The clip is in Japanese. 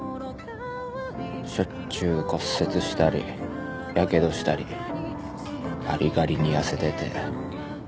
しょっちゅう骨折したりやけどしたりがりがりに痩せてて。